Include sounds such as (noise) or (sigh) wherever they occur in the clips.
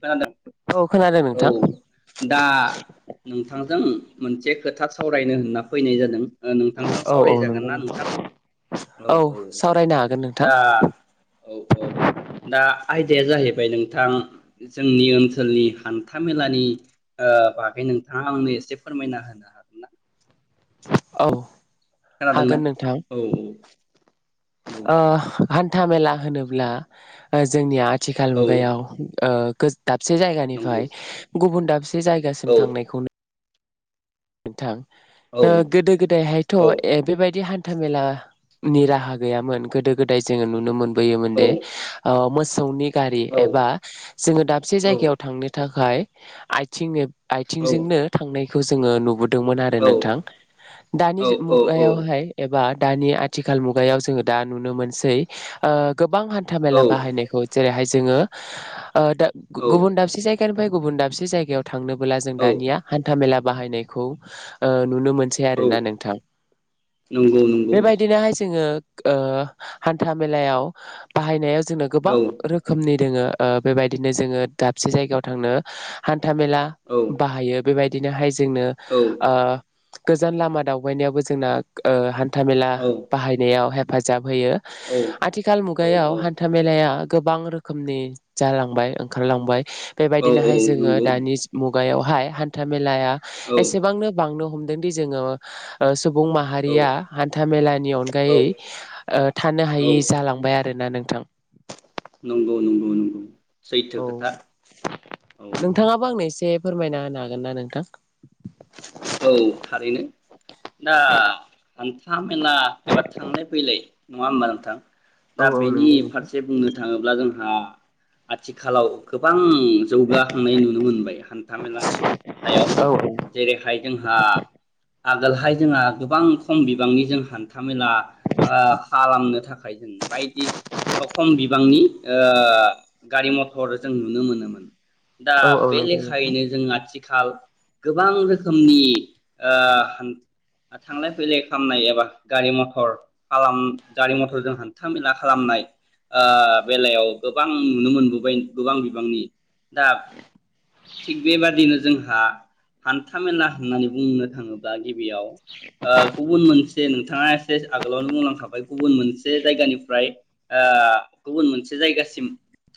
खोनादों औ खोनादों औ नोंथां दा नों नोंथांजों मोनसे खोथा सावरायनो होनना फैनाय जादों नोंथांजों औ औ सावरायजागोन नंगौ ना नोंथां औ औ सावरायनो हागोन नोंथां दा औ औ दा आयदाया जाहैबाय नोंथां जोंनि ओनसोलनि हान्था मेलानि बागै नोंथाङा आंनो एसे फोरमायना होनो हागोन ना? औ खोनादोंना औ औ औ आ हान्था मेला होनोब्ला ओ जोंनि थिखाल औ मुगायाव ओ गोज दाबसे नंगौ जायगानिफ्राय गुबुन दाब बे जायगासिम औ थांनायखौनो नोंथां। औ ओ गोदो औ गोदायहायथ'ए बेबायदि हान हान्था मेलानि राहा गैयामोन गोदो गोदाय जोङो नुनो मोन बोयोमोन औ दे ओ मोस खौनिक गारि औ एबा जोङो दाबसे औ जायगायाव थांनो थाखाय आय आइथिं आ औ आथिंजोंनो थांनाय खौ जोङो नु दोंमोन आरो नोंथां दानि जुग मुगायावहाय एबा दानि आथिखाल मुगायाव जोङो दा नुनो मोनसै ओ गोबां हान्था मेला बाहायनायखौ जेरैहाय जोङो ओ दा औ गुबुन दाबसे जायगानिफ्राय गुबुन दाबसे जायगायाव थांनोबोला जों औ दानिया हान्था मेला बाहायनाय खौ ओ नुनो मोनसै औ आरोना नोंथां नंगौ नंगौ बेबायदिनोहाय जोङो ओ हान्था मेलायाव बाहायनाया जोंनो गोबां औ रोखोमनि दोङो ओ बेबायदिनो जोङो दाबसे जायगायाव थांनो हान था मेला औ बाहायो बेबाय बिदिनोहाय जोंनो औ ओ गोजान लामा दावबायनायावबो जोंना ओ न्था मेला औ बाहायनायाव हे हेफाजाब होयो औ आथिखाल औ मुगायाव हान्था मेलाया गोबां रोखोमनि जालांबाय ओंखारलांबाय। औ औ बेबायदिनोहाय जोङो नंगौ दानि मु मुगायावहाय हान्था मेलाया औ एसेबांनो बांनो हम दोंदि जोङो ओ सु बुं औ माहारिया हान्था मेलानि अनगायै औ ओ थानो हायि जालांबाय आरो। ना नोंथां? नंगौ नंगौ नंगौ। सैथो औ खोथा औ नोंथाङाबो आंनो एसे फोरमायना होनो हागोन ना नोंथां? औ थारैनो दा हान्था मेला एबा थांलाय फैलाय नङा होमबा नोंथां। औ दा औ बेनि नंगौ नोंथां फारसे बुंनो थाङोब्ला जों हा आथिखालाव गोबां जौगाखांनाय नुनो मोनबाय हान्था मेला सायाव औ जेरैहाय जोंहा आगोलहाय जोंहा गोबां खम बिबांनि जों हान्था मेला आ खालामनो थाखाय जों बायदि ओ खम बिबांनि ओ गारि मथर जों नुनो मोनोमोन। दा बे नंगौ नोंथां लेखायैनो जों आथि खाल‌ गोबां रो खोमनि ओ हान थांलाय फैलाय खामनाय एबा गारि मथर खालाम गारि मथरजों हान्था मेला खालामनाय ओ बेलायाव गोबां नुनो मोनबोबाय गोबां बिबांनि दा थिग बेबादिनो जोंहा हान था मेला होननानै बुंनो थाङोब्ला गिबियाव ओ गुबुन मोन से नोंथाङा एसे आगोलावनो बुंलांखाबाय गुबुन मोनसे जायगानिफ्राय ओ गुबुन मोनसे जायगासिम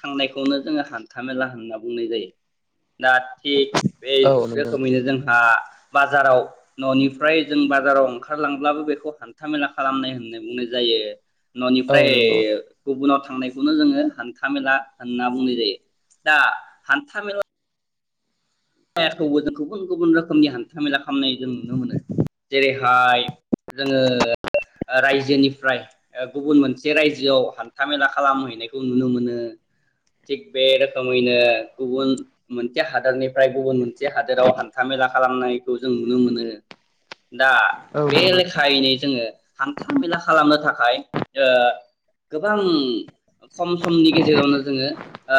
थांनायखौनो जोङो हान्था मेला होनना बुंनाय जायो। दा थिग बे औ नंगौ रोखोमैनो जों हा बाजाराव ननिफ्राय जों बाजाराव ओंखारलांब्लाबो बेखौ हान्था मेला खालामनाय होननाय बुंनाय जायो। औ ननिफ्राय नंगौ गुबुनाव थांनायखौनो जोङो हान्था मेला होनना बुंनाय जायो। दा हान्था मेला खौबो जों गुबुन गुबुन रोखोमनि हान्था मेला खालामनाय जों नुनो मोनो जेरैहाय जोङो रायजोनिफ्राय गुबुन मोनसे रायजोआव हान्था मेला खालामहैनायखौ नुनो मोनो थिग बे रोखोमैनो गुबुन मोनसे हादरनि फ्राय गुबुन मोनसे हादोराव हान्था मेला खालामनायखौ जों नुनो मोनो। दा औ बे नंगौ लेखायैनो जोङो हान्था मेला खालामनो था खाय ओ गोबां खम समनि गेजेरावनो जोङो ओ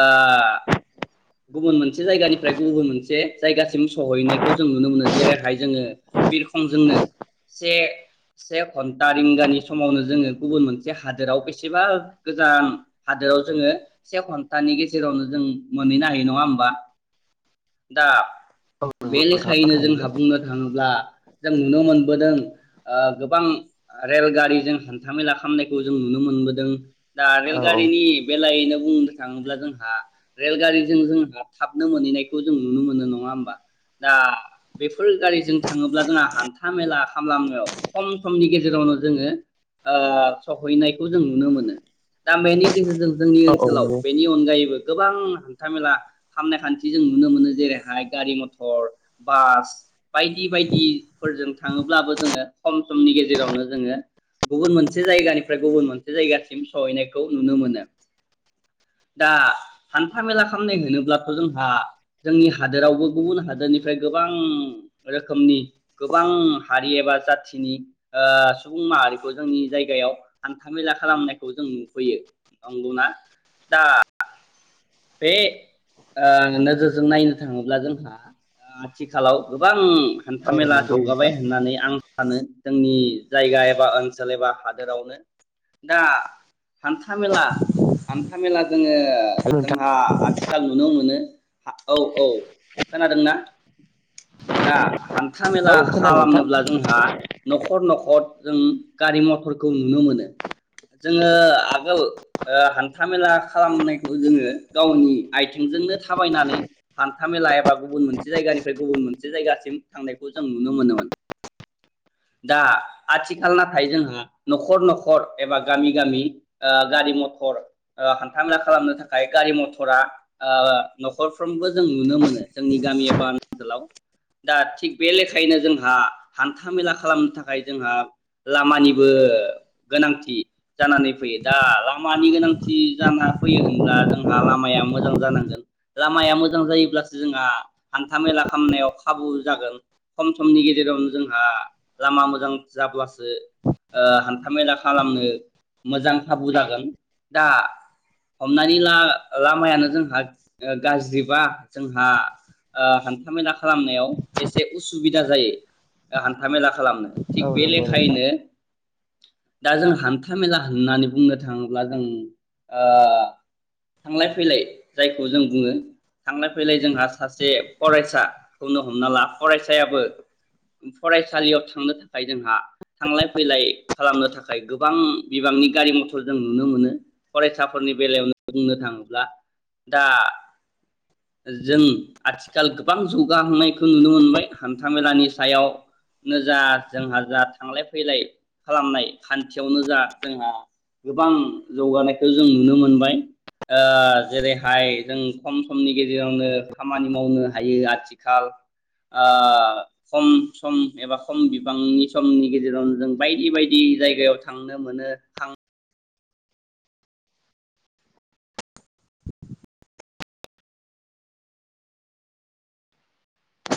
गुबुन मोनसे जायगानिफ्राय गुबुन मोनसे जायगासिम सहैनायखौ जों नुनो मोनो। जेरैहाय जोङो बिरखंजोंनो से से घन्टा रिंगानि समावनो जोङो गुबुन मोनसे हादोराव बेसेबा गोजान हादोराव जोङो से घन्टानि गेजेरावनो जों मोनहैनो हायो नङा होमबा। दा। औ नंगौ बे नोंथाङा लेखायैनो थारैनो जोंहा बुंनो थाङोब्ला जों नुनो मोनबोदों ओ गोबां रेलगारिजों हान्थामेला खालामनायखौ जों नुनो मोनबोदों। दा औ औ रेलगारिनि बेलायैनो। बुंनो थाङोब्ला जोंहा रेलगारिजों जोंहा थाबनो मोनहैनाय। खौ जों नुनो मोनो नङा होनबा दा बेफोर गारिजों थाङोब्ला जोंहा हान्था मेला खालामनायाव खम समनि गेजेरावनो जोङो ओ सहैनायखौ जों नुनो मोनो दा बेनि नि गेजेरजों जोंनि औ औ ओनसोलाव नंगौ बेनि अनगायैबो। गोबां हान्थामेला खामनाय खान्थि। जों नुनो मोनो जेरैहाय गारि मथर बास बायदि बायदिफोरजों थाङोब्लाबो जोङो खम समनि गेजेरावनो जोङो गुबुन मोनसे जायगानिफ्राय गुबुन मोनसे जायगासिम सहैनायखौ नुनो मोनो दा हान्थामेला खालामनाय होनोब्लाथ' जोंहा जोंनि हादोरावबो गुबुन हादोरनिफ्राय गोबां रोखोमनि गोबां हारि एबा जाथिनि ओ सुबुं माहारिखौ जोंनि जायगायाव हान्था मेला खालामनायखौ जों नुफैयो नंगौना दा बे ओ नोजोरजों नायनो थाङोब्ला जोंहा आथिखालाव गोबां औ हान्थामेला नंगौ जौगाबाय नोंथां होननानै आं सानो जोंनि जायगा एबा ओनसोल एबा हादोरावनो दा हान्था मेला हान्था मेला जोङो। जोंहा आथि खाल नुनो मोनो औ औ खोनादोंना दा। हान्था मेला औ खोनादों नोंथां। खालामनोब्ला जोंहा न'खर न'खर। जों गारि मथरखौ नुनो मोनो जोङो आगोल ओ हान्था मेला खालामनायखौ जोङो गावनि आथिंजोंनो थाबायनानै हान्थामेला एबा गुबुन मोनसे जायगानिफ्राय गुबुन मोनसे जायगासिम थांनायखौ जों नुनो मोनोमोन। दा आथिखाल नाथाय जोंहा न'खर न'खर एबा गामि गामि ओ गारि मथर ओ हान्थामेला खालामनो थाखाय खाय गारि मथरा ओ न'खरफ्रोमबो जों नुनो मोनो जोंनि गामि एबा ओनसोलाव दा थिग बे लेखायैनो जोंहा हान्था मेला खालामनो थाखाय जोंहा लामानिबो गोनांथि जानानै फैयो दा लामानि गोनांथि जाना फैयो होनब्ला। जोंहा लामाया मोजां जानांगोन, लामाया मोजां जायोब्लासो जोंहा हान्था मेला खालामनायाव खाबु जागोन खम समनि गेजेरावनो जोंहा लामा मोजां जाब्लासो ओ हान्था मेला खालामनो मोजां खाबु जागोन। दा हम (unintelligible) लामायानो जोंहा गाज्रिबा जोंहा ओ हान्थामेला खालामनायाव एसे उसुबिदा जायो ओ हान्थामेला। खालामनो थिग औ बे नंगौ नोंथां। लेखायैनो दा जों हान्थामेला होननानै बुंनो थाङोब्ला जों ओ थांलाय फैलाय जायखौ जों बुङो थांलाय फैलाय जोंहा सासे फरायसाखौनो हमना ला फरायसायाबो फरायसालियाव थांनो थाखाय जोंहा थांलाय फैलाय खालामनो थाखाय गोबां बिबांनि गारि मथर जों नुनो मोनो। फरायसाफोरनि बेलायावनो बुंनो थाङोब्ला दा जों आथिखाल गोबां जौगाहांनायखौ नुनो मोनबाय। हान्थामेलानि सायावनो जा जोंहा जा थांलाय फैलाय खालामनाय खान्थियावनो जा जोंहा गोबां जौगानायखौ जों नुनो मोनबाय। जेरैहाय जों खम समनि गेजेरावनो खामानि मावनो हायो। आथिखाल खम सम एबा खम बिबांनि समनि गेजेरावनो जों बायदि बायदि जायगायाव थांनो मोनो। थां